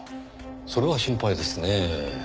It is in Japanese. それは心配ですねぇ。